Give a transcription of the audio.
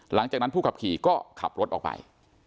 หลังจากนั้นผู้ขับขี่ก็ขับรถออกไป